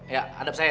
ya hadap saya ya